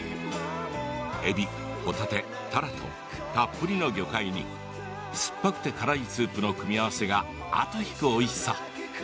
えび、ほたて、たらとたっぷりの魚介に酸っぱくて辛いスープの組み合わせが、後引くおいしさ。